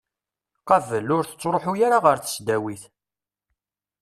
Qabel, ur tettruḥu ara ɣer tesdawit.